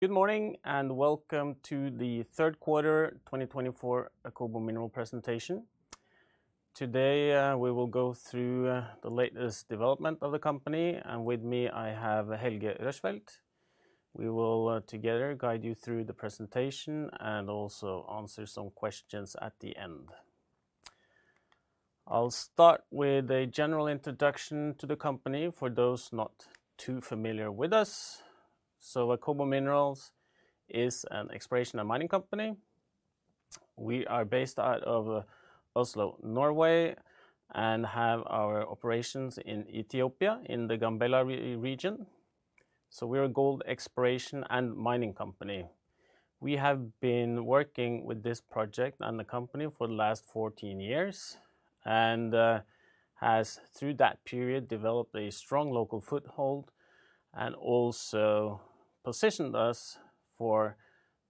Good morning and welcome to the Third Quarter 2024 Akobo Minerals Presentation. Today we will go through the latest development of the company, and with me I have Helge Rushfeldt. We will together guide you through the presentation and also answer some questions at the end. I'll start with a general introduction to the company for those not too familiar with us, so Akobo Minerals is an exploration and mining company. We are based out of Oslo, Norway, and have our operations in Ethiopia in the Gambela region, so we're a gold exploration and mining company. We have been working with this project and the company for the last 14 years and have, through that period, developed a strong local foothold and also positioned us for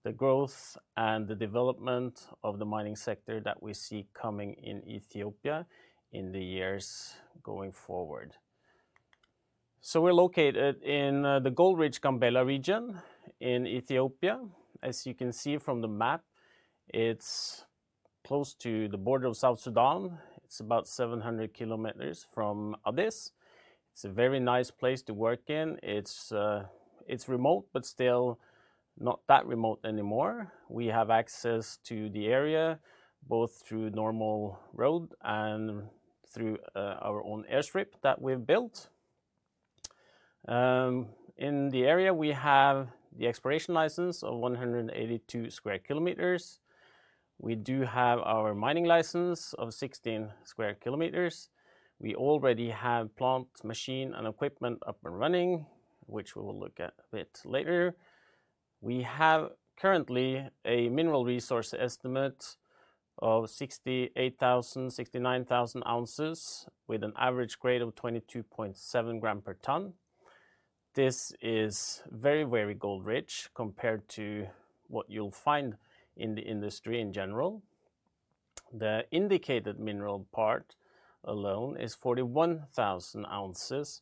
the growth and the development of the mining sector that we see coming in Ethiopia in the years going forward. We're located in the gold-rich Gambela region in Ethiopia. As you can see from the map, it's close to the border of South Sudan. It's about 700 km from Addis. It's a very nice place to work in. It's remote, but still not that remote anymore. We have access to the area both through normal road and through our own airstrip that we've built. In the area, we have the exploration license of 182 sq km. We do have our mining license of 16 sq km. We already have plants, machine, and equipment up and running, which we will look at a bit later. We have currently a mineral resource estimate of 68,000, 69,000oz with an average grade of 22.7g per ton. This is very, very gold rich compared to what you'll find in the industry in general. The indicated mineral part alone is 41,000 ounces,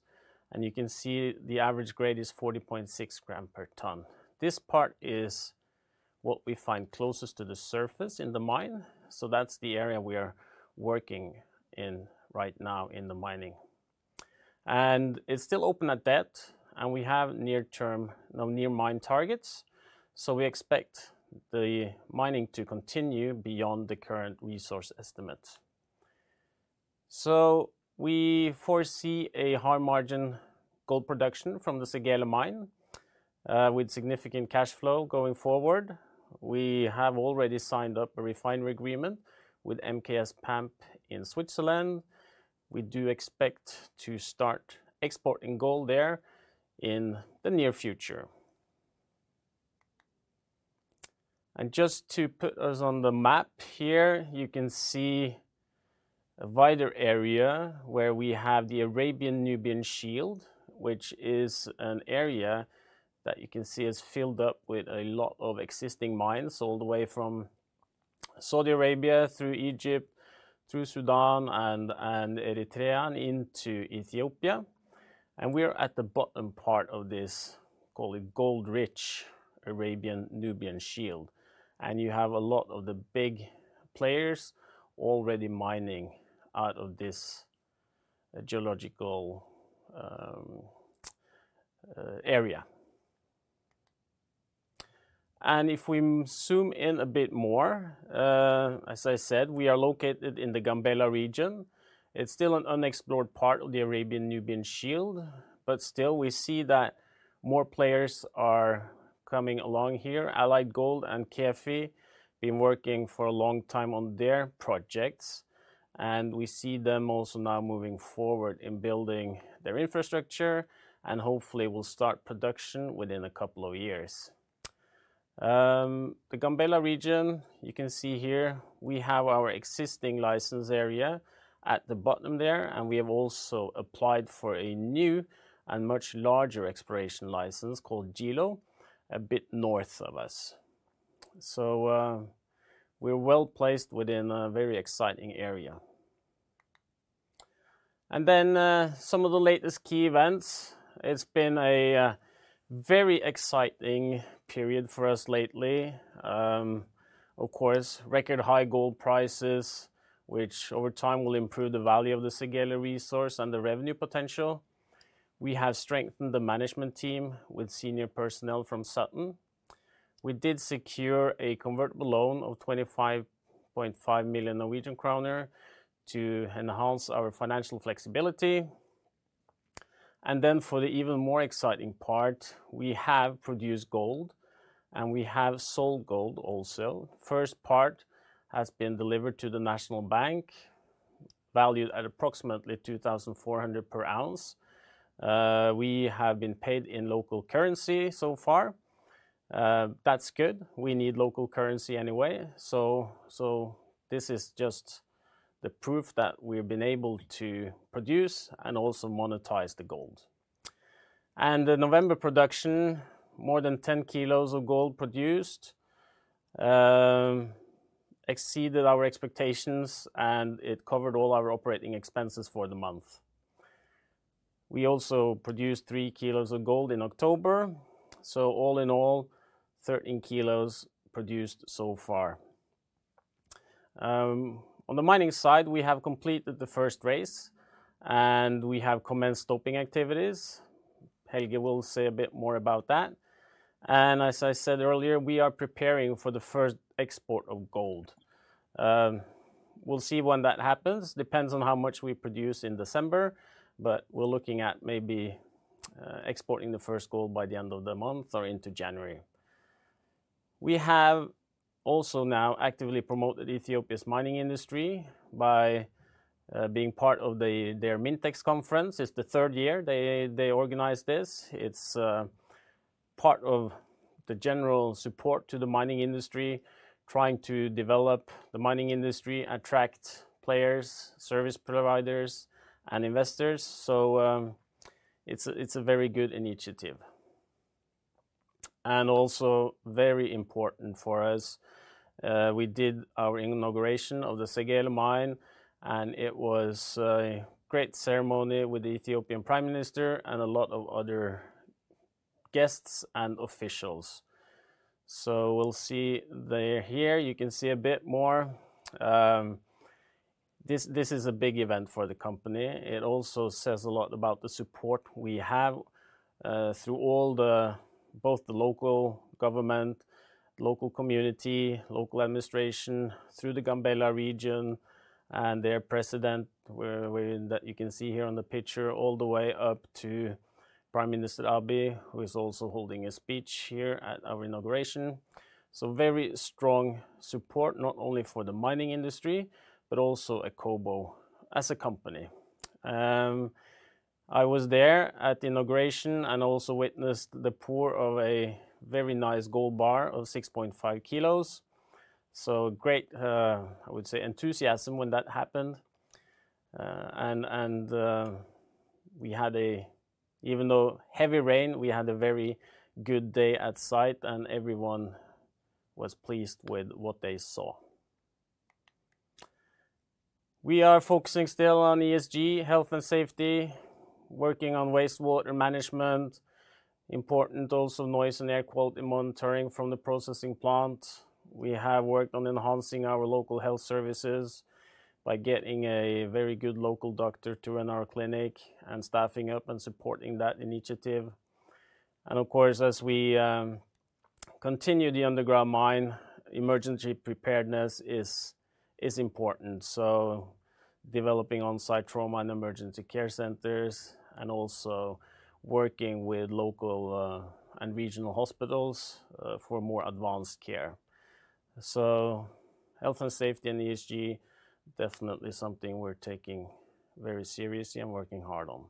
and you can see the average grade is 40.6 grams per ton. This part is what we find closest to the surface in the mine. So that's the area we are working in right now in the mining. And it's still open at depth, and we have near-term, near-mine targets. So we expect the mining to continue beyond the current resource estimates. So we foresee a high margin gold production from the Segele mine with significant cash flow going forward. We have already signed up a refinery agreement with MKS PAMP in Switzerland. We do expect to start exporting gold there in the near future. And just to put us on the map here, you can see a wider area where we have the Arabian-Nubian Shield, which is an area that you can see is filled up with a lot of existing mines all the way from Saudi Arabia through Egypt, through Sudan and Eritrea and into Ethiopia. And we're at the bottom part of this called a gold-rich Arabian-Nubian Shield. And you have a lot of the big players already mining out of this geological area. And if we zoom in a bit more, as I said, we are located in the Gambela region. It's still an unexplored part of the Arabian-Nubian Shield, but still we see that more players are coming along here. Allied Gold and KEFI have been working for a long time on their projects, and we see them also now moving forward in building their infrastructure and hopefully will start production within a couple of years. The Gambela region, you can see here, we have our existing license area at the bottom there, and we have also applied for a new and much larger exploration license called Gilo a bit north of us. So we're well placed within a very exciting area. And then some of the latest key events. It's been a very exciting period for us lately. Of course, record high gold prices, which over time will improve the value of the Segela resource and the revenue potential. We have strengthened the management team with senior personnel from sutton. We did secure a convertible loan of 25.5 million Norwegian kroner to enhance our financial flexibility. And then for the even more exciting part, we have produced gold and we have sold gold also. First part has been delivered to the National Bank, valued at approximately $2,400 per ounce. We have been paid in local currency so far. That's good. We need local currency anyway. So this is just the proof that we've been able to produce and also monetize the gold. And the November production, more than 10 kg of gold produced, exceeded our expectations and it covered all our operating expenses for the month. We also produced three kilos of gold in October. So all in all, 13 kg produced so far. On the mining side, we have completed the first raise and we have commenced stope activities. Helge will say a bit more about that. And as I said earlier, we are preparing for the first export of gold. We'll see when that happens. Depends on how much we produce in December, but we're looking at maybe exporting the first gold by the end of the month or into January. We have also now actively promoted Ethiopia's mining industry by being part of their MINTEX conference. It's the third year they organize this. It's part of the general support to the mining industry, trying to develop the mining industry, attract players, service providers, and investors. So it's a very good initiative, and also very important for us. We did our inauguration of the Segele Mine, and it was a great ceremony with the Ethiopian Prime Minister and a lot of other guests and officials. So we'll see. They're here. You can see a bit more. This is a big event for the company. It also says a lot about the support we have through both the local government, local community, local administration through the Gambela region and their president, that you can see here on the picture, all the way up to Prime Minister Abiy, who is also holding a speech here at our inauguration. So very strong support not only for the mining industry, but also Akobo as a company. I was there at the inauguration and also witnessed the pour of a very nice gold bar of 6.5 kg. So great, I would say, enthusiasm when that happened. And we had a, even though heavy rain, we had a very good day at site and everyone was pleased with what they saw. We are focusing still on ESG, health and safety, working on wastewater management, important also noise and air quality monitoring from the processing plant. We have worked on enhancing our local health services by getting a very good local doctor to our clinic and staffing up and supporting that initiative. And of course, as we continue the underground mine, emergency preparedness is important. So developing on-site trauma and emergency care centers and also working with local and regional hospitals for more advanced care. So health and safety and ESG, definitely something we're taking very seriously and working hard on.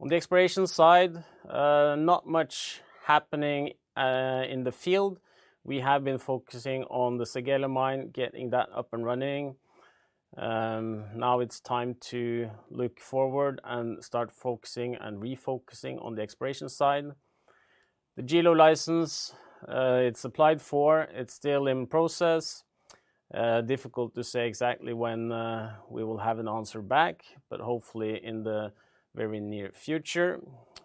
On the exploration side, not much happening in the field. We have been focusing on the Segele mine, getting that up and running. Now it's time to look forward and start focusing and refocusing on the exploration side. The Gilo license, it's applied for, it's still in process. Difficult to say exactly when we will have an answer back, but hopefully in the very near future.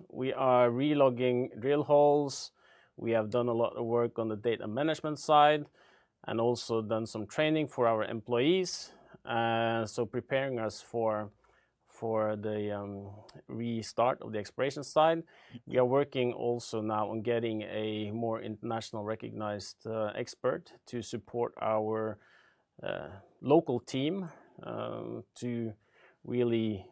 We are relogging drill holes. We have done a lot of work on the data management side and also done some training for our employees, so preparing us for the restart of the exploration side. We are working also now on getting a more internationally recognized expert to support our local team to really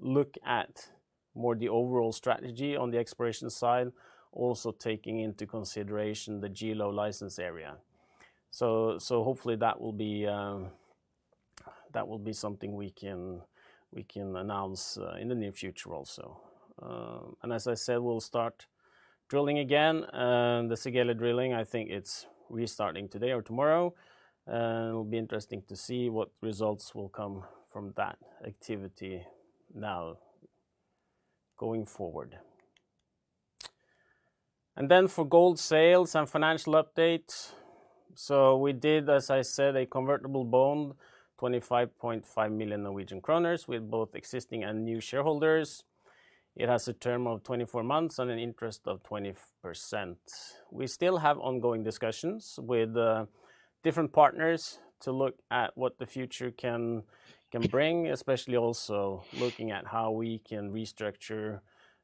look at more the overall strategy on the exploration side, also taking into consideration the Gilo license area, so hopefully that will be something we can announce in the near future also, and as I said, we'll start drilling again. The Séguéla drilling, I think it's restarting today or tomorrow, and it'll be interesting to see what results will come from that activity now going forward, and then for gold sales and financial updates, so we did, as I said, a convertible bond, 25.5 million Norwegian kroner with both existing and new shareholders. It has a term of 24 months and an interest of 20%. We still have ongoing discussions with different partners to look at what the future can bring, especially also looking at how we can restructure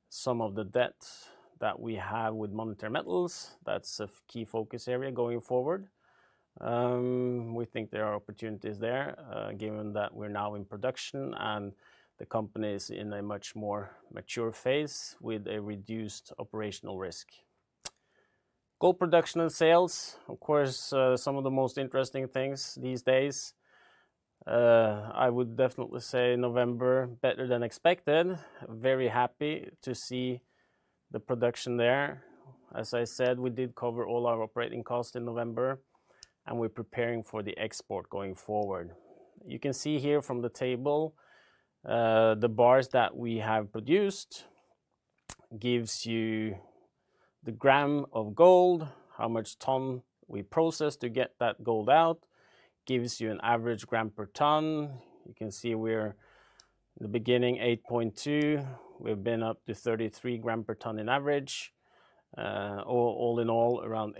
some of the debt that we have with Monetary Metals. That's a key focus area going forward. We think there are opportunities there given that we're now in production and the company is in a much more mature phase with a reduced operational risk. Gold production and sales, of course, some of the most interesting things these days. I would definitely say November, better than expected. Very happy to see the production there. As I said, we did cover all our operating costs in November and we're preparing for the export going forward. You can see here from the table, the bars that we have produced gives you the gram of gold, how much ton we process to get that gold out, gives you an average gram per ton. You can see we're in the beginning, 8.2. We've been up to 33g per ton in average. All in all, around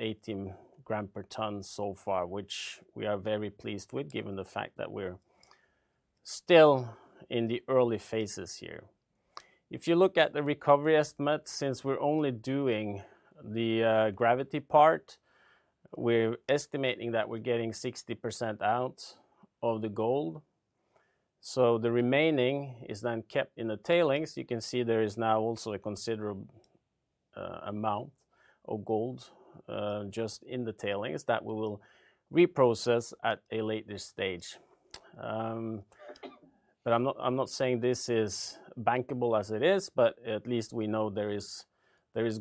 18g per ton so far, which we are very pleased with given the fact that we're still in the early phases here. If you look at the recovery estimate, since we're only doing the gravity part, we're estimating that we're getting 60% out of the gold. So the remaining is then kept in the tailings. You can see there is now also a considerable amount of gold just in the tailings that we will reprocess at a later stage. But I'm not saying this is bankable as it is, but at least we know there is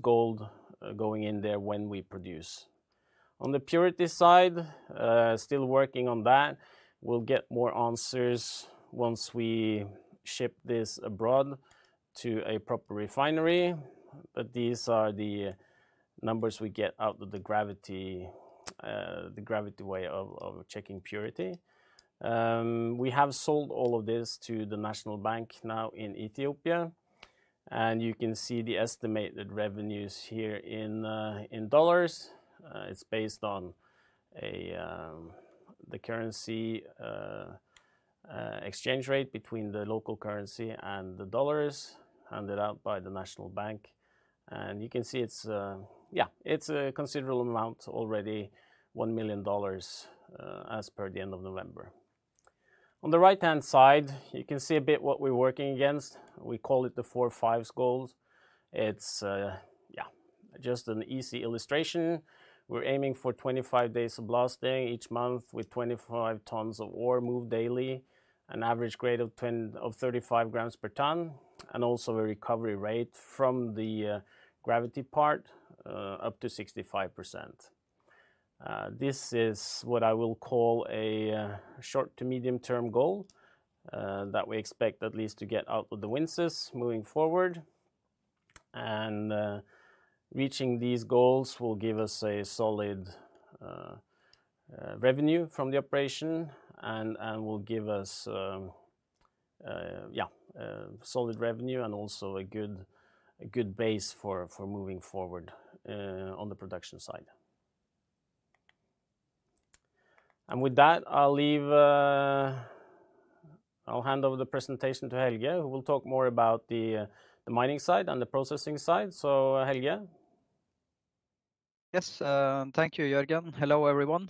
gold going in there when we produce. On the purity side, still working on that. We'll get more answers once we ship this abroad to a proper refinery. But these are the numbers we get out of the gravity way of checking purity. We have sold all of this to the National Bank of Ethiopia. And you can see the estimated revenues here in dollars. It's based on the currency exchange rate between the local currency and the dollars handed out by the National Bank of Ethiopia. And you can see it's, yeah, it's a considerable amount already, $1 million as per the end of November. On the right-hand side, you can see a bit what we're working against. We call it the four-fives gold. It's, yeah, just an easy illustration. We're aiming for 25 days of blasting each month with 25 tons of ore moved daily, an average grade of 35g per ton, and also a recovery rate from the gravity part up to 65%. This is what I will call a short to medium-term goal that we expect at least to get out of the winzes moving forward. And reaching these goals will give us a solid revenue from the operation and will give us, yeah, solid revenue and also a good base for moving forward on the production side. And with that, I'll leave, I'll hand over the presentation to Helge, who will talk more about the mining side and the processing side. So, Helge. Yes, thank you, Jørgen. Hello, everyone.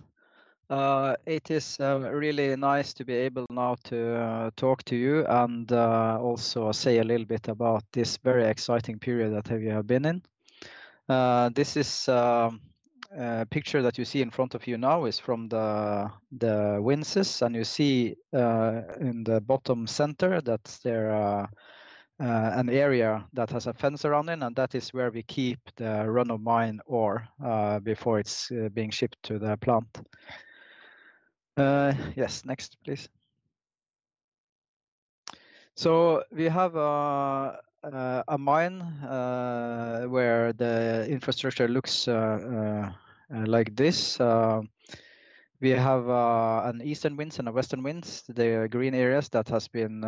It is really nice to be able now to talk to you and also say a little bit about this very exciting period that we have been in. This picture that you see in front of you now is from the winzes. And you see in the bottom center that there are an area that has a fence around it, and that is where we keep the run of mine ore before it's being shipped to the plant. Yes, next, please. So we have a mine where the infrastructure looks like this. We have an eastern winze and a western winze. The green areas that have been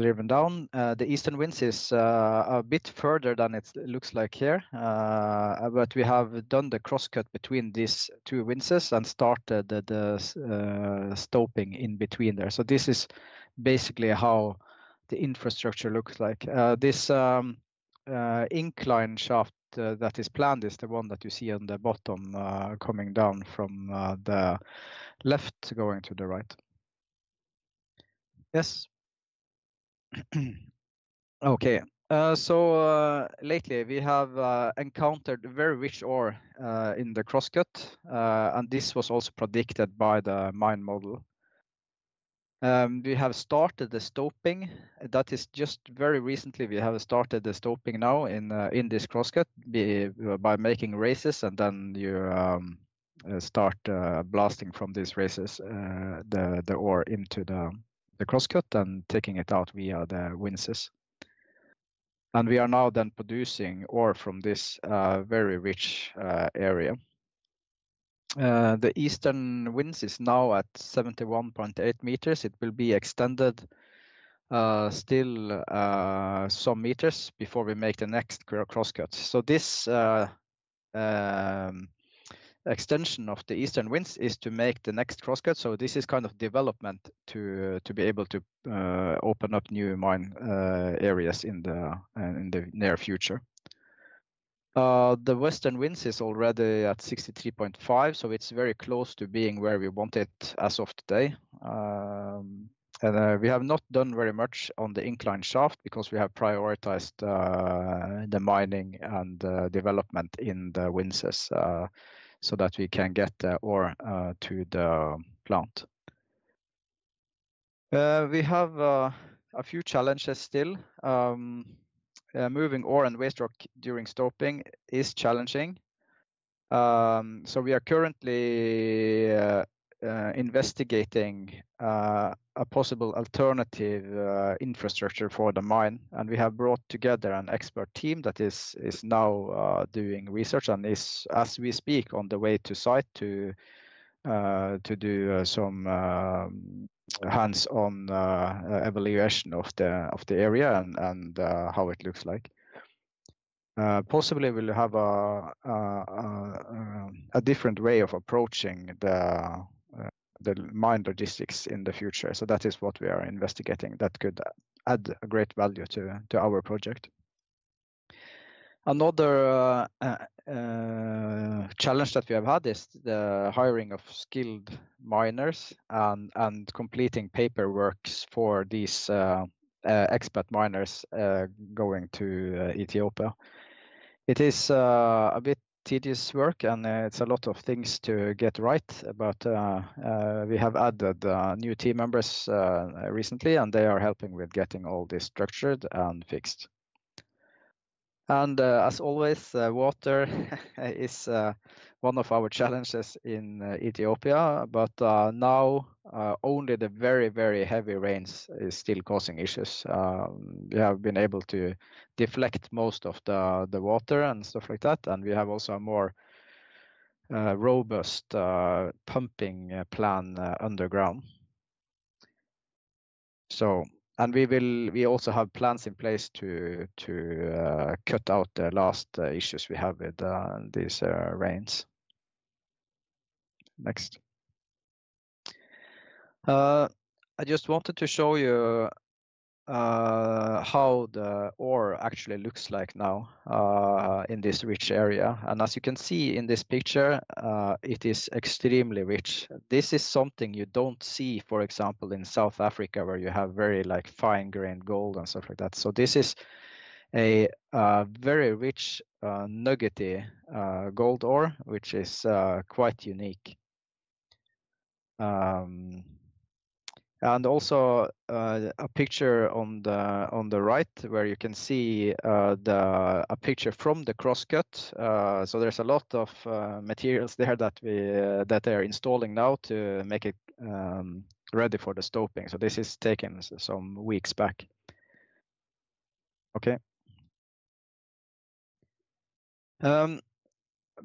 driven down. The eastern winze is a bit further than it looks like here. But we have done the cross-cut between these two winzes and started the stoping in between there. So this is basically how the infrastructure looks like. This incline shaft that is planned is the one that you see on the bottom coming down from the left going to the right. Yes. Okay, so lately we have encountered very rich ore in the cross-cut, and this was also predicted by the mine model. We have started the stoping. That is just very recently we have started the stoping now in this cross-cut by making raises and then you start blasting from these raises the ore into the cross-cut and taking it out via the winzes, and we are now then producing ore from this very rich area. The eastern winzes is now at 71.8 m. It will be extended still some meters before we make the next cross-cut. So this extension of the eastern winzes is to make the next cross-cut. This is kind of development to be able to open up new mine areas in the near future. The western winze is already at 63.5, so it's very close to being where we want it as of today. We have not done very much on the incline shaft because we have prioritized the mining and development in the winzes so that we can get the ore to the plant. We have a few challenges still. Moving ore and waste rock during stoping is challenging. We are currently investigating a possible alternative infrastructure for the mine. We have brought together an expert team that is now doing research and is, as we speak, on the way to site to do some hands-on evaluation of the area and how it looks like. Possibly we'll have a different way of approaching the mine logistics in the future. So that is what we are investigating that could add a great value to our project. Another challenge that we have had is the hiring of skilled miners and completing paperwork for these expert miners going to Ethiopia. It is a bit tedious work and it's a lot of things to get right, but we have added new team members recently and they are helping with getting all this structured and fixed. And as always, water is one of our challenges in Ethiopia, but now only the very, very heavy rains is still causing issues. We have been able to deflect most of the water and stuff like that. And we have also a more robust pumping plan underground. And we also have plans in place to cut out the last issues we have with these rains. Next I just wanted to show you how the ore actually looks like now in this rich area, and as you can see in this picture, it is extremely rich. This is something you don't see, for example, in South Africa where you have very fine grain gold and stuff like that, so this is a very rich nuggety gold ore, which is quite unique, and also a picture on the right where you can see a picture from the cross-cut, so there's a lot of materials there that they're installing now to make it ready for the stoping, so this is taken some weeks back. Okay.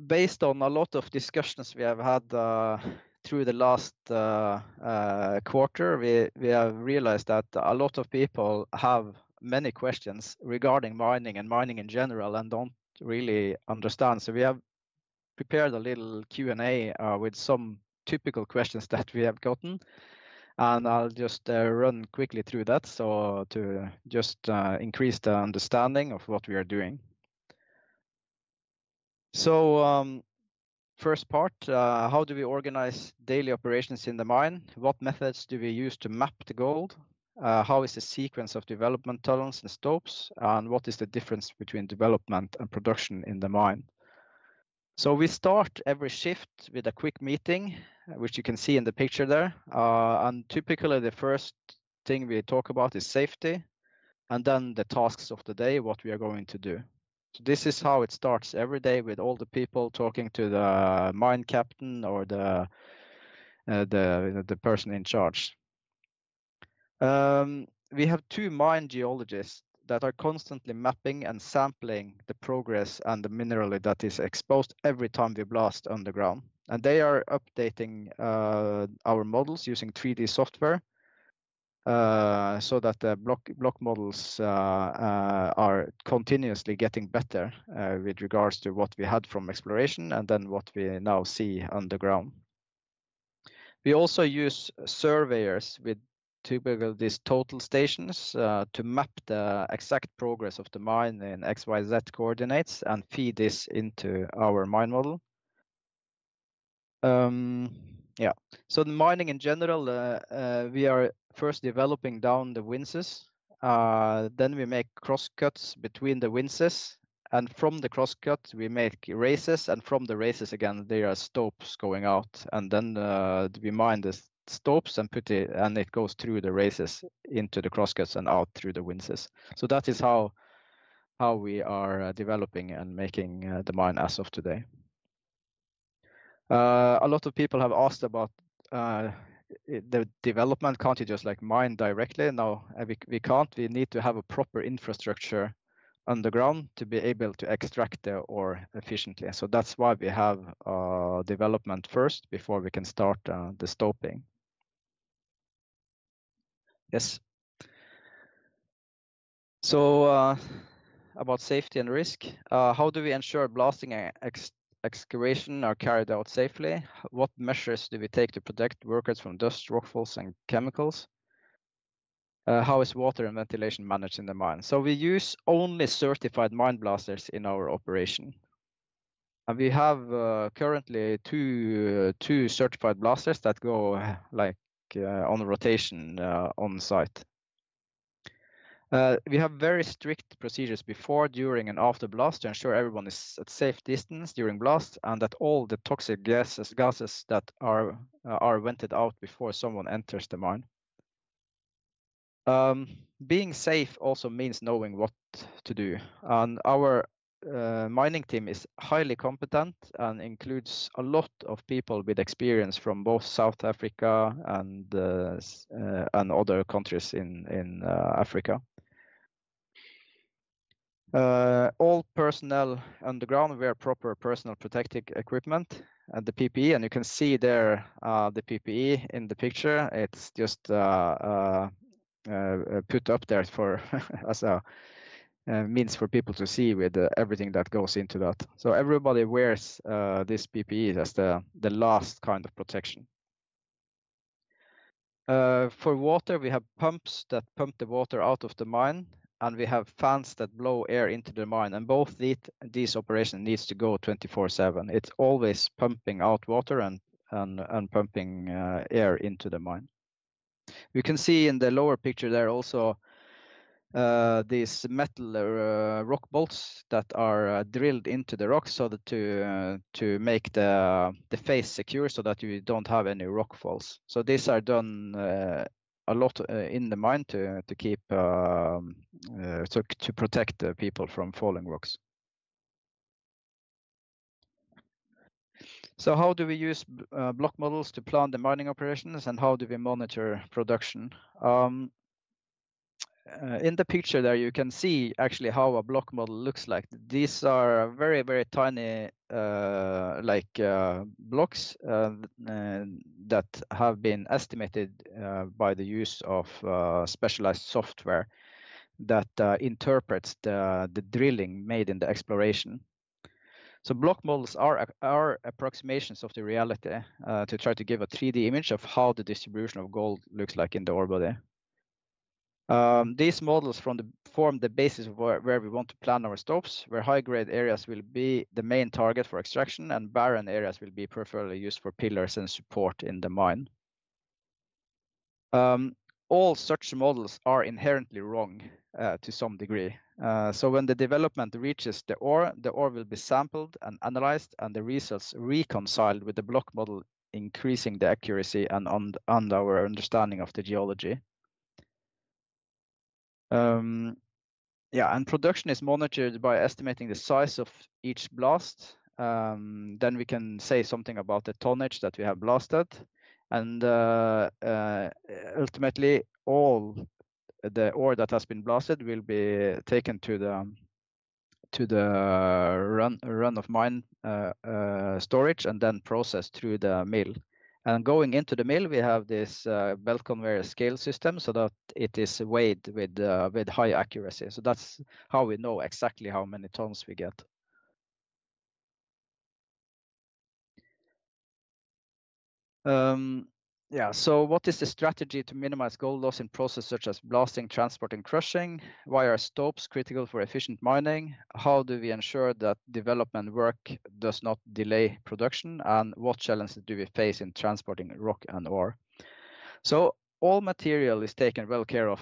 Based on a lot of discussions we have had through the last quarter, we have realized that a lot of people have many questions regarding mining and mining in general and don't really understand. We have prepared a little Q&A with some typical questions that we have gotten. I'll just run quickly through that to just increase the understanding of what we are doing. First part, how do we organize daily operations in the mine? What methods do we use to map the gold? How is the sequence of development tolerance and stopes? What is the difference between development and production in the mine? We start every shift with a quick meeting, which you can see in the picture there. Typically the first thing we talk about is safety and then the tasks of the day, what we are going to do. This is how it starts every day with all the people talking to the mine captain or the person in charge. We have two mine geologists that are constantly mapping and sampling the progress and the mineral that is exposed every time we blast underground, and they are updating our models using 3D software so that the block models are continuously getting better with regards to what we had from exploration and then what we now see underground. We also use surveyors with typical these total stations to map the exact progress of the mine in XYZ coordinates and feed this into our mine model. Yeah, so the mining in general, we are first developing down the winzes, then we make cross-cuts between the winzes, and from the cross-cuts, we make raises, and from the raises, again, there are stopes going out, and then we mine the stopes and it goes through the raises into the cross-cuts and out through the winzes. That is how we are developing and making the mine as of today. A lot of people have asked about the development continues like mine directly. Now, we can't. We need to have a proper infrastructure underground to be able to extract the ore efficiently. That's why we have development first before we can start the stoping. Yes. About safety and risk, how do we ensure blasting excavation are carried out safely? What measures do we take to protect workers from dust, rockfalls, and chemicals? How is water and ventilation managed in the mine? We use only certified mine blasters in our operation. We have currently two certified blasters that go on rotation on site. We have very strict procedures before, during, and after blast to ensure everyone is at a safe distance during blast and that all the toxic gases that are vented out before someone enters the mine. Being safe also means knowing what to do, and our mining team is highly competent and includes a lot of people with experience from both South Africa and other countries in Africa. All personnel underground wear proper personal protective equipment and the PPE, and you can see there the PPE in the picture. It's just put up there as a means for people to see with everything that goes into that, so everybody wears this PPE as the last kind of protection. For water, we have pumps that pump the water out of the mine, and we have fans that blow air into the mine, and both these operations need to go 24/7. It's always pumping out water and pumping air into the mine. We can see in the lower picture there also these metal rock bolts that are drilled into the rock so to make the face secure so that you don't have any rock falls. So these are done a lot in the mine to protect people from falling rocks. So how do we use block models to plan the mining operations and how do we monitor production? In the picture there, you can see actually how a block model looks like. These are very, very tiny blocks that have been estimated by the use of specialized software that interprets the drilling made in the exploration. So block models are approximations of the reality to try to give a 3D image of how the distribution of gold looks like in the ore body. These models form the basis of where we want to plan our stopes, where high-grade areas will be the main target for extraction and barren areas will be preferably used for pillars and support in the mine. All such models are inherently wrong to some degree, so when the development reaches the ore, the ore will be sampled and analyzed and the results reconciled with the block model, increasing the accuracy and our understanding of the geology. Yeah, and production is monitored by estimating the size of each blast, then we can say something about the tonnage that we have blasted, and ultimately, all the ore that has been blasted will be taken to the run-of-mine storage and then processed through the mill, and going into the mill, we have this belt conveyor scale system so that it is weighed with high accuracy. So that's how we know exactly how many tons we get. Yeah, so what is the strategy to minimize gold loss in processes such as blasting, transporting, crushing? Why are stopes critical for efficient mining? How do we ensure that development work does not delay production? And what challenges do we face in transporting rock and ore? So all material is taken well care of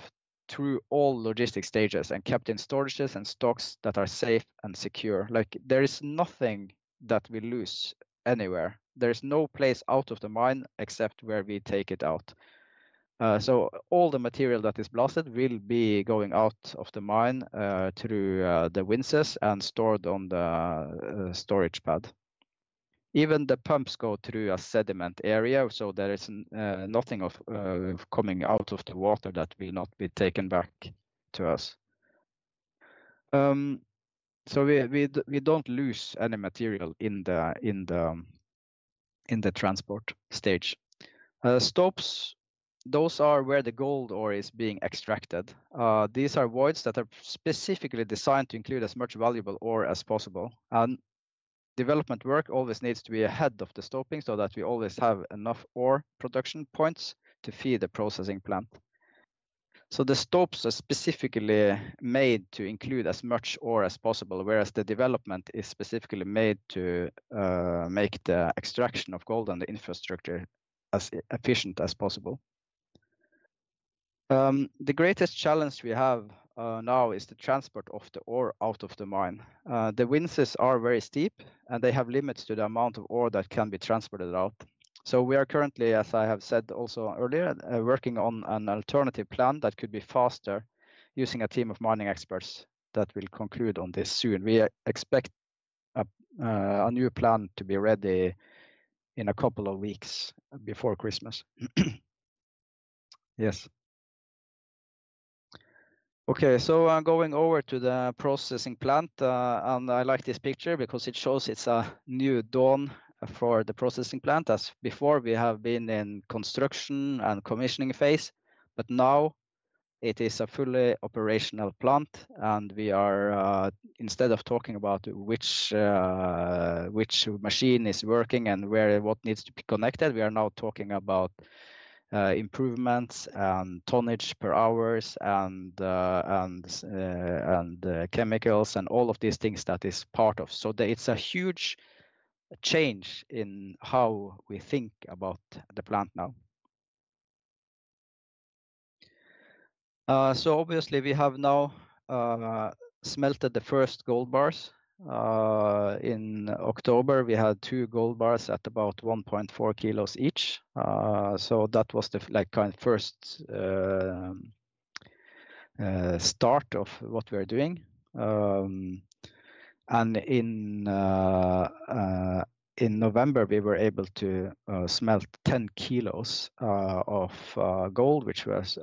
through all logistic stages and kept in storages and stocks that are safe and secure. There is nothing that we lose anywhere. There is no place out of the mine except where we take it out. So all the material that is blasted will be going out of the mine through the winzes and stored on the storage pad. Even the pumps go through a sediment area, so there is nothing coming out of the water that will not be taken back to us. We don't lose any material in the transport stage. Stopes, those are where the gold ore is being extracted. These are voids that are specifically designed to include as much valuable ore as possible. Development work always needs to be ahead of the stoping so that we always have enough ore production points to feed the processing plant. The stopes are specifically made to include as much ore as possible, whereas the development is specifically made to make the extraction of gold and the infrastructure as efficient as possible. The greatest challenge we have now is the transport of the ore out of the mine. The winzes are very steep and they have limits to the amount of ore that can be transported out. We are currently, as I have said also earlier, working on an alternative plan that could be faster using a team of mining experts that will conclude on this soon. We expect a new plan to be ready in a couple of weeks before Christmas. Yes. Okay, I'm going over to the processing plant. I like this picture because it shows it's a new dawn for the processing plant. As before, we have been in construction and commissioning phase, but now it is a fully operational plant. We are, instead of talking about which machine is working and what needs to be connected, now talking about improvements and tonnage per hours and chemicals and all of these things that is part of. It's a huge change in how we think about the plant now. Obviously, we have now smelted the first gold bars. In October, we had two gold bars at about 1.4 kg each. That was the kind of first start of what we are doing. In November, we were able to smelt 10k of gold, which was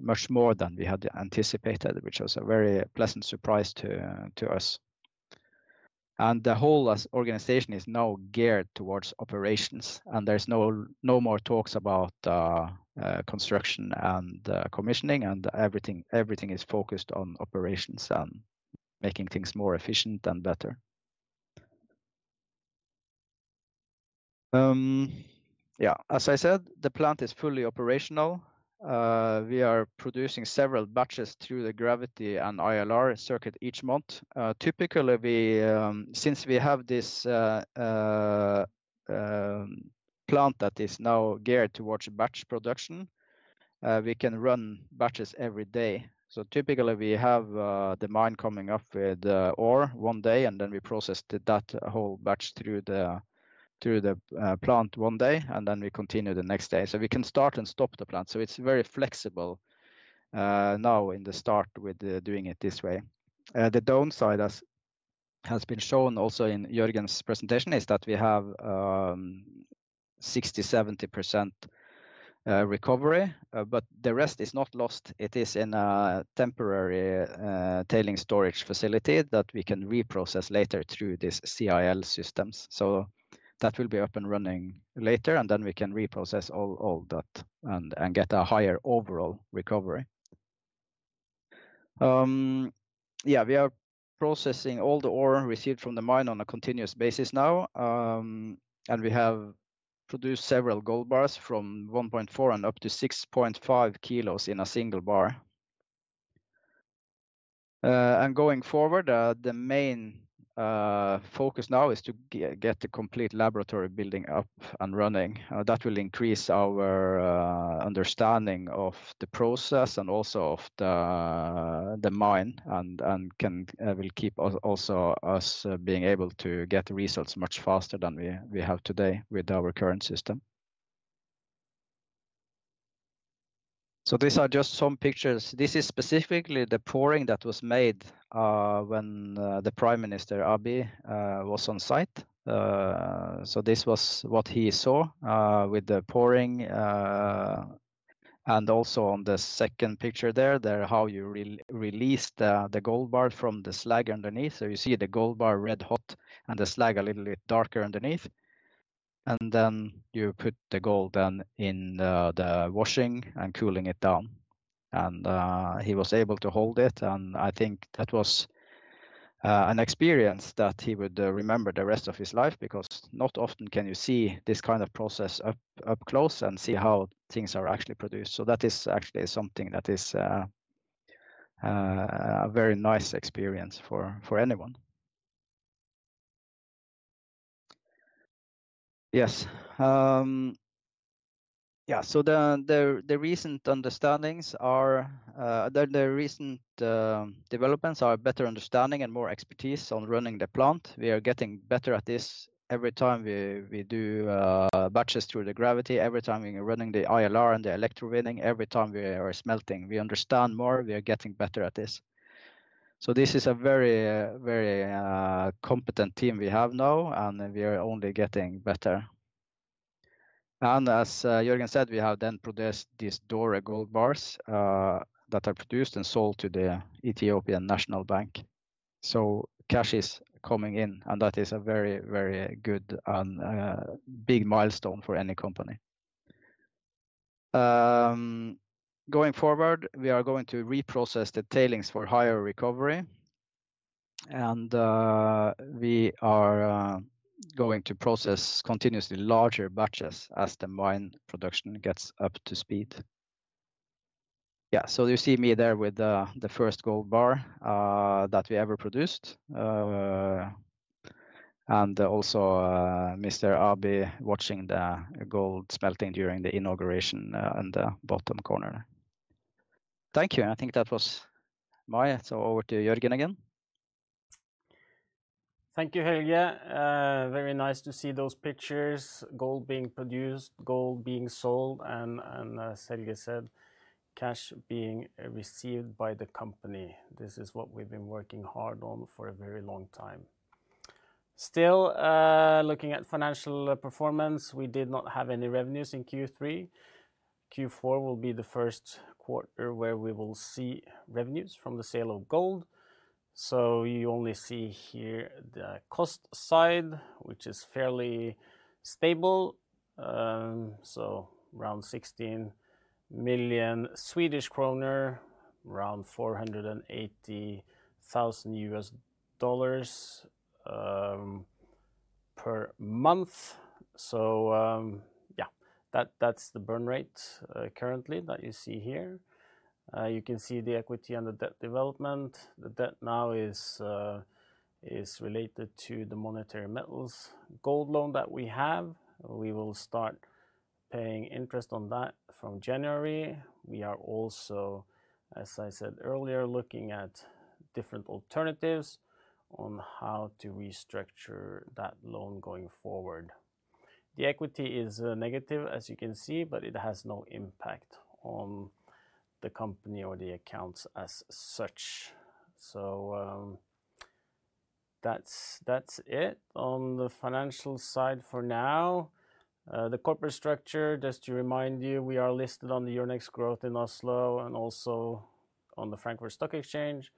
much more than we had anticipated, which was a very pleasant surprise to us. The whole organization is now geared towards operations. There's no more talks about construction and commissioning, and everything is focused on operations and making things more efficient and better. Yeah, as I said, the plant is fully operational. We are producing several batches through the gravity and ILR circuit each month. Typically, since we have this plant that is now geared towards batch production, we can run batches every day. Typically, we have the mine coming up with ore one day, and then we process that whole batch through the plant one day, and then we continue the next day. So we can start and stop the plant. So it's very flexible now in the start with doing it this way. The downside has been shown also in Jørgen's presentation is that we have 60%-70% recovery, but the rest is not lost. It is in a temporary tailings storage facility that we can reprocess later through these CIL systems. So that will be up and running later, and then we can reprocess all that and get a higher overall recovery. Yeah, we are processing all the ore received from the mine on a continuous basis now. And we have produced several gold bars from 1.4 and up to 6.5k in a single bar. Going forward, the main focus now is to get the complete laboratory building up and running. That will increase our understanding of the process and also of the mine and will keep also us being able to get results much faster than we have today with our current system. These are just some pictures. This is specifically the pouring that was made when the Prime Minister Abiy was on site. This was what he saw with the pouring. And also on the second picture there, how you release the gold bar from the slag underneath. You see the gold bar red hot and the slag a little bit darker underneath. And then you put the gold in the washing and cooling it down. And he was able to hold it. I think that was an experience that he would remember the rest of his life because not often can you see this kind of process up close and see how things are actually produced. So that is actually something that is a very nice experience for anyone. Yes. Yeah, so the recent developments are better understanding and more expertise on running the plant. We are getting better at this every time we do batches through the gravity, every time we are running the ILR and the electrowinning, every time we are smelting, we understand more, we are getting better at this. So this is a very, very competent team we have now, and we are only getting better. And as Jørgen said, we have then produced these doré gold bars that are produced and sold to the National Bank of Ethiopia. So cash is coming in, and that is a very, very good and big milestone for any company. Going forward, we are going to reprocess the tailings for higher recovery. And we are going to process continuously larger batches as the mine production gets up to speed. Yeah, so you see me there with the first gold bar that we ever produced. And also Mr. Abiy watching the gold smelting during the inauguration in the bottom corner. Thank you. And I think that was mine, so over to Jørgen again. Thank you, Helge. Very nice to see those pictures, gold being produced, gold being sold, and as Helge said, cash being received by the company. This is what we've been working hard on for a very long time. Still looking at financial performance, we did not have any revenues in Q3. Q4 will be the first quarter where we will see revenues from the sale of gold. So you only see here the cost side, which is fairly stable. So around 16 million SEK, around $480,000 per month. So yeah, that's the burn rate currently that you see here. You can see the equity and the debt development. The debt now is related to the Monetary Metals gold loan that we have. We will start paying interest on that from January. We are also, as I said earlier, looking at different alternatives on how to restructure that loan going forward. The equity is negative, as you can see, but it has no impact on the company or the accounts as such. So that's it on the financial side for now. The corporate structure, just to remind you, we are listed on the Euronext Growth in Oslo and also on the Frankfurt Stock Exchange.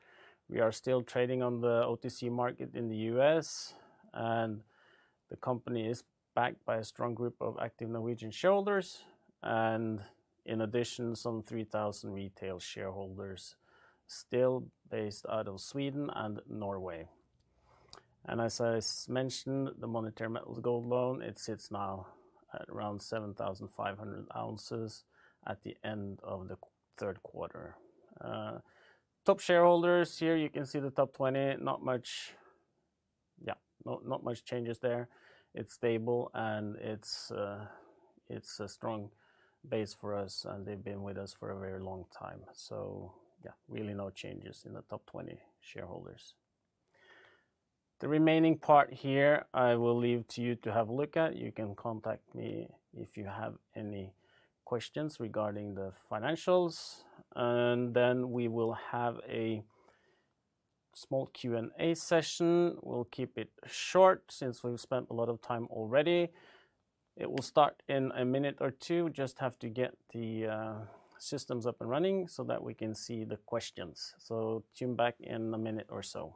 We are still trading on the OTC market in the U.S., and the company is backed by a strong group of active Norwegian shareholders and, in addition, some 3,000 retail shareholders still based out of Sweden and Norway, and as I mentioned, the Monetary Metals gold loan, it sits now at around 7,500oz at the end of the third quarter. Top shareholders here, you can see the top 20, not much, yeah, not much changes there. It's stable and it's a strong base for us, and they've been with us for a very long time, so yeah, really no changes in the top 20 shareholders. The remaining part here, I will leave to you to have a look at. You can contact me if you have any questions regarding the financials, and then we will have a small Q&A session. We'll keep it short since we've spent a lot of time already. It will start in a minute or two. Just have to get the systems up and running so that we can see the questions, so tune back in a minute or so.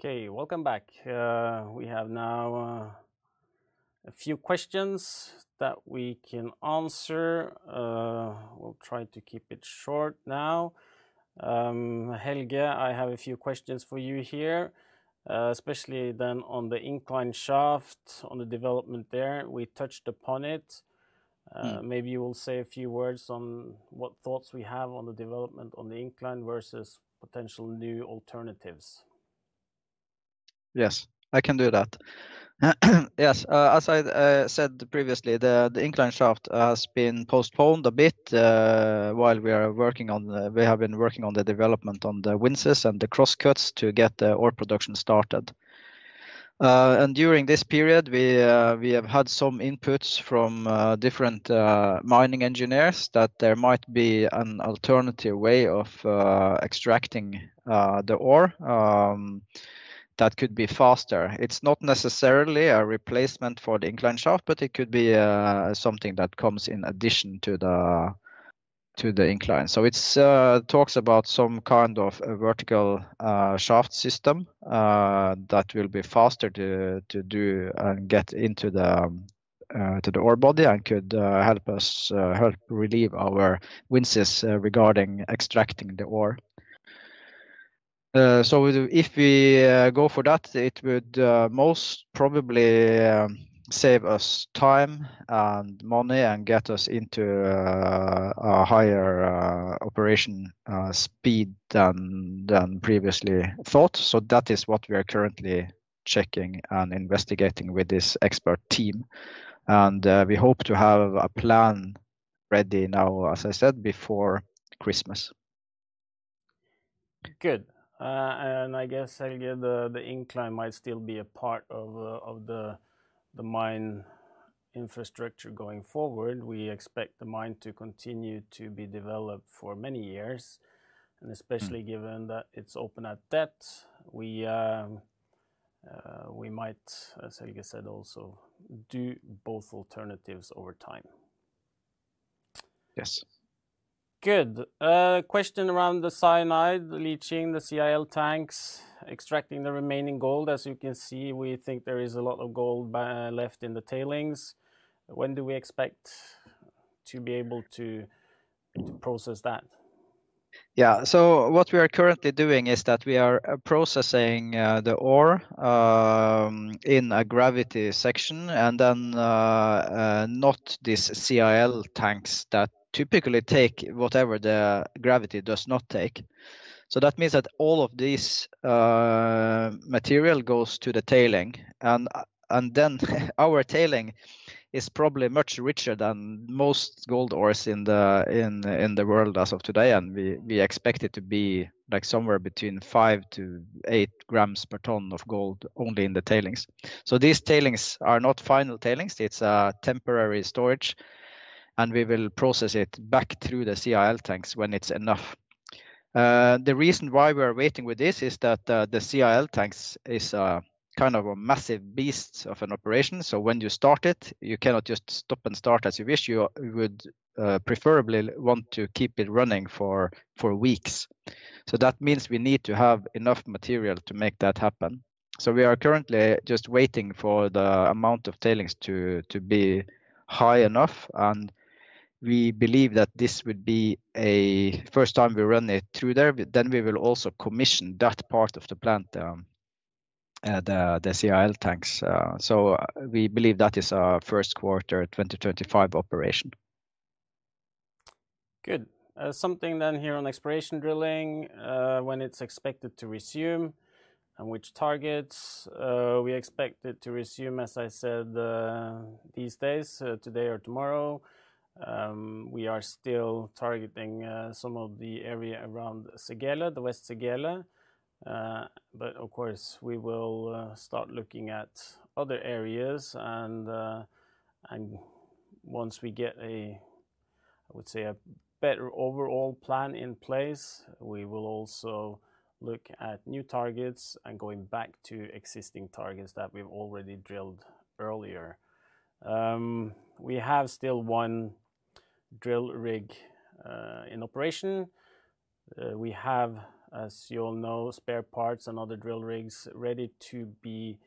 Okay, welcome back. We have now a few questions that we can answer. We'll try to keep it short now. Helge, I have a few questions for you here, especially then on the incline shaft, on the development there. We touched upon it. Maybe you will say a few words on what thoughts we have on the development on the incline versus potential new alternatives. Yes, I can do that. Yes, as I said previously, the incline shaft has been postponed a bit while we have been working on the development on the winzes and the cross-cuts to get the ore production started, and during this period, we have had some inputs from different mining engineers that there might be an alternative way of extracting the ore that could be faster. It's not necessarily a replacement for the incline shaft, but it could be something that comes in addition to the incline, so it talks about some kind of a vertical shaft system that will be faster to do and get into the ore body and could help us relieve our winzes regarding extracting the ore, so if we go for that, it would most probably save us time and money and get us into a higher operation speed than previously thought. That is what we are currently checking and investigating with this expert team. And we hope to have a plan ready now, as I said, before Christmas. Good. And I guess, Helge, the incline might still be a part of the mine infrastructure going forward. We expect the mine to continue to be developed for many years. And especially given that it's open at that, we might, as Helge said, also do both alternatives over time. Yes. Good. Question around the cyanide, leaching the CIL tanks, extracting the remaining gold. As you can see, we think there is a lot of gold left in the tailings. When do we expect to be able to process that? Yeah, so what we are currently doing is that we are processing the ore in a gravity section and then not these CIL tanks that typically take whatever the gravity does not take. So that means that all of this material goes to the tailings. And then our tailings is probably much richer than most gold ores in the world as of today. And we expect it to be like somewhere between five to eight grams per ton of gold only in the tailings. So these tailings are not final tailings. It's a temporary storage. And we will process it back through the CIL tanks when it's enough. The reason why we are waiting with this is that the CIL tanks is kind of a massive beast of an operation. So when you start it, you cannot just stop and start as you wish. You would preferably want to keep it running for weeks. So that means we need to have enough material to make that happen. So we are currently just waiting for the amount of tailings to be high enough. And we believe that this would be a first time we run it through there. Then we will also commission that part of the plant, the CIL tanks. So we believe that is a first quarter 2025 operation. Good. Something then here on exploration drilling, when it's expected to resume and which targets we expect it to resume, as I said, these days, today or tomorrow. We are still targeting some of the area around Séguéla, the West Séguéla. But of course, we will start looking at other areas. And once we get a, I would say, a better overall plan in place, we will also look at new targets and going back to existing targets that we've already drilled earlier. We have still one drill rig in operation. We have, as you all know, spare parts and other drill rigs ready to be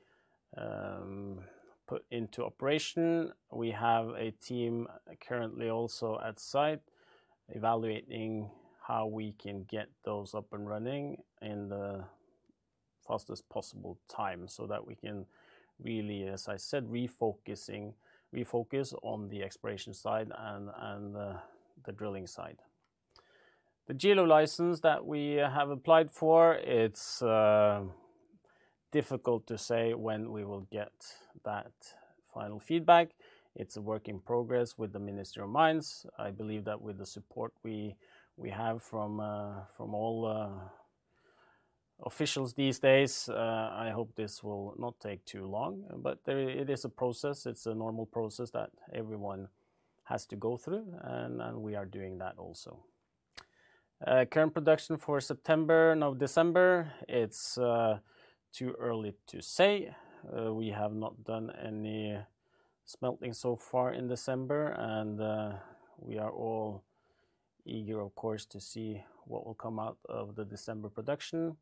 put into operation. We have a team currently also at site evaluating how we can get those up and running in the fastest possible time so that we can really, as I said, refocus on the exploration side and the drilling side. The Gilo license that we have applied for, it's difficult to say when we will get that final feedback. It's a work in progress with the Ministry of Mines. I believe that with the support we have from all officials these days, I hope this will not take too long, but it is a process. It's a normal process that everyone has to go through, and we are doing that also. Current production for September, now December, it's too early to say. We have not done any smelting so far in December, and we are all eager, of course, to see what will come out of the December production.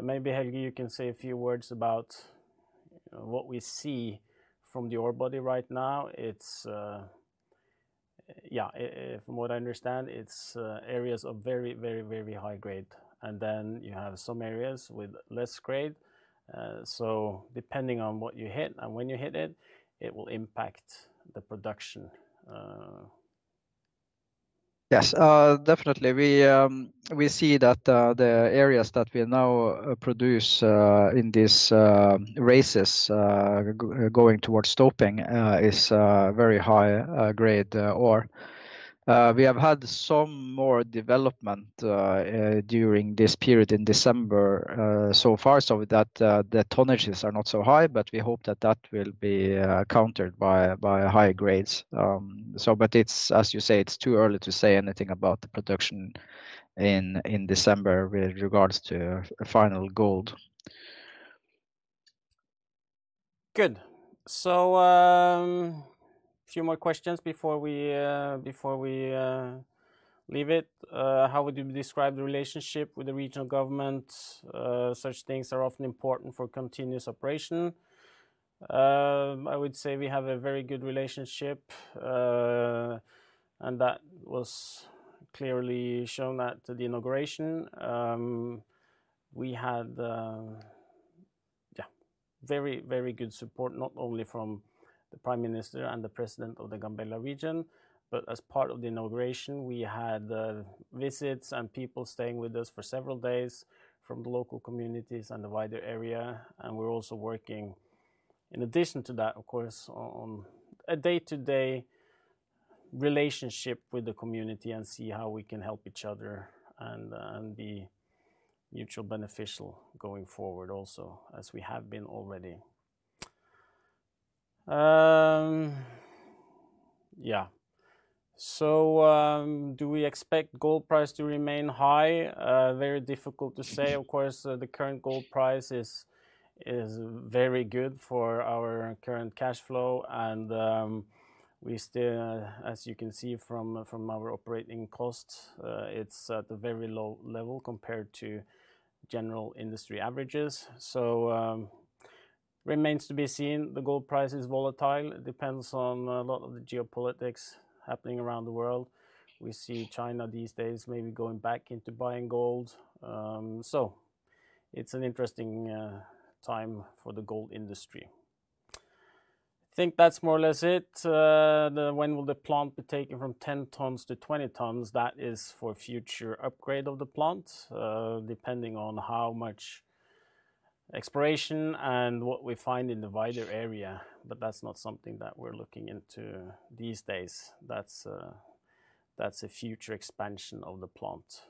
Maybe Helge, you can say a few words about what we see from the ore body right now. Yeah, from what I understand, it's areas of very, very, very high grade. And then you have some areas with less grade. So depending on what you hit and when you hit it, it will impact the production. Yes, definitely. We see that the areas that we now produce in these raises going towards stoping is very high grade ore. We have had some more development during this period in December so far so that the tonnages are not so high, but we hope that that will be countered by high grades. But as you say, it's too early to say anything about the production in December with regards to final gold. Good. So a few more questions before we leave it. How would you describe the relationship with the regional government? Such things are often important for continuous operation. I would say we have a very good relationship, and that was clearly shown at the inauguration. We had very, very good support, not only from the Prime Minister and the President of the Gambela region, but as part of the inauguration, we had visits and people staying with us for several days from the local communities and the wider area. And we're also working, in addition to that, of course, on a day-to-day relationship with the community and see how we can help each other and be mutually beneficial going forward also, as we have been already. Yeah. So do we expect gold price to remain high? Very difficult to say. Of course, the current gold price is very good for our current cash flow and we still, as you can see from our operating costs, it's at a very low level compared to general industry averages. So remains to be seen. The gold price is volatile. It depends on a lot of the geopolitics happening around the world. We see China these days maybe going back into buying gold. So it's an interesting time for the gold industry. I think that's more or less it. When will the plant be taken from 10 tons to 20 tons? That is for future upgrade of the plant, depending on how much exploration and what we find in the wider area. But that's not something that we're looking into these days. That's a future expansion of the plant.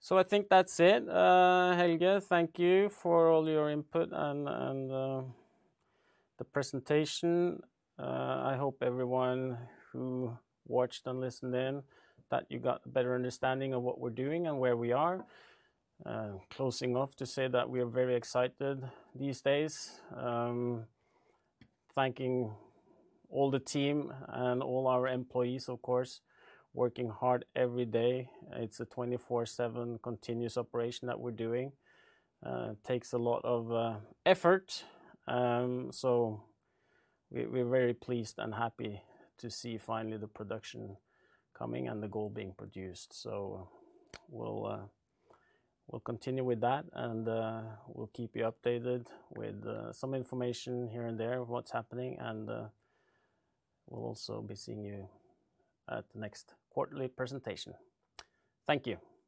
So I think that's it, Helge. Thank you for all your input and the presentation. I hope everyone who watched and listened in, that you got a better understanding of what we're doing and where we are. Closing off to say that we are very excited these days. Thanking all the team and all our employees, of course, working hard every day. It's a 24/7 continuous operation that we're doing. It takes a lot of effort. So we're very pleased and happy to see finally the production coming and the gold being produced. So we'll continue with that, and we'll keep you updated with some information here and there of what's happening, and we'll also be seeing you at the next quarterly presentation. Thank you.